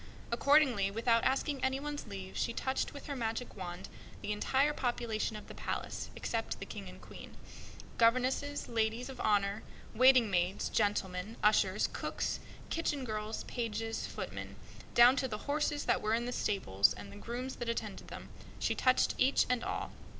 Accordingly, she touched with her magic wand everybody and everything in the palace except the King and Queen: governesses, ladies of honor, waiting maids, gentlemen ushers, cooks, kitchen girls, pages, footmen; even the horses that were in the stables, and the grooms that attended them, she touched each and all.